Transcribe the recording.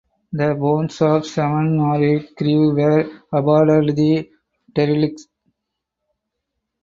The bones of seven or eight crew were aboard the derelict.